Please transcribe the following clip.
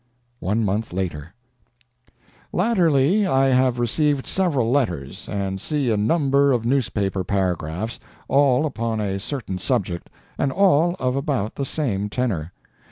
(One month later) Latterly I have received several letters, and see a number of newspaper paragraphs, all upon a certain subject, and all of about the same tenor.